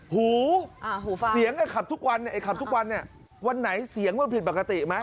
หูเสียงขับทุกวันไอ้ขับทุกวันวันไหนเสียงมันผิดปกติไหม